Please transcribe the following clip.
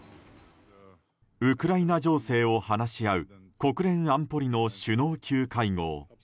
ウクライナ情勢を話し合う国連安保理の首脳級会合。